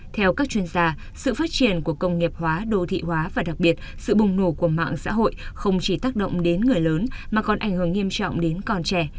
theo các chuyên gia sự phát triển của công nghiệp hóa đô thị hóa và đặc biệt sự bùng nổ của mạng xã hội không chỉ tác động đến người lớn mà còn ảnh hưởng nghiêm trọng đến con trẻ